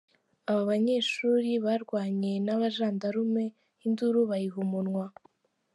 Aba banyeshuri barwanye n’ abajandarume induru bayiha umunwa.